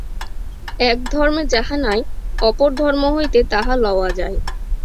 এক ধর্মে যাহা নাই, অপর ধর্ম হইতে তাহা লওয়া যায়।